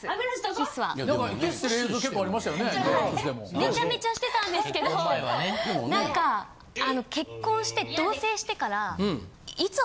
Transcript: めちゃめちゃしてたんですけどなんか結婚して同棲してから。